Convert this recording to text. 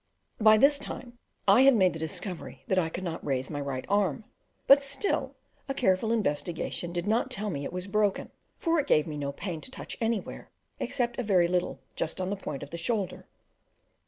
By this time I had made the discovery that I could not raise my right arm; but still a careful investigation did not tell me it was broken, for it gave me no pain to touch anywhere, except a very little just on the point of the shoulder.